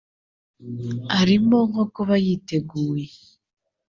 harimo nko kuba yiteguye